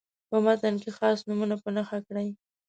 په متن کې خاص نومونه په نښه کړئ.